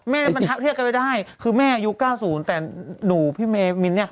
มันมันเทียบกันไม่ได้คือแม่ยุค๙๐แต่หนูพี่เมมิ้นต์เนี่ย